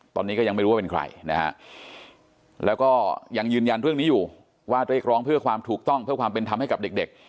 ตอนนี้ก็ยังไม่รู้ว่าเป็นใครนะฮะแล้วก็ยังยืนยันเรื่องนี้อยู่ว่าเรียกร้องเพื่อความถูกต้องเพื่อความเป็นธรรมให้กับเด็ก